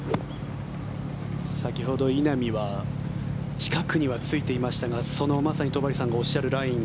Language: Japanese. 先ほど稲見は近くにはついていましたがそのまさに戸張さんがおっしゃるライン。